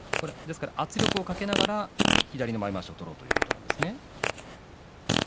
圧力をかけながら左の前まわしを取ろうということなんですね